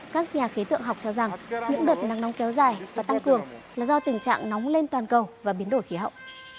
các nhà khí tượng học cho rằng những đợt nắng nóng kéo dài và tăng cường là do tình trạng nóng lên toàn cầu và biến đổi khí hậu